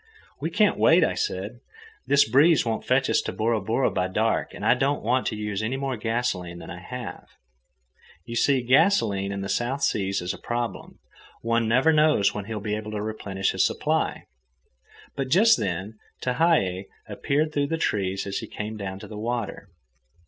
"We can't wait," I said. "This breeze won't fetch us to Bora Bora by dark, and I don't want to use any more gasolene than I have to." You see, gasolene in the South Seas is a problem. One never knows when he will be able to replenish his supply. But just then Tehei appeared through the trees as he came down to the water.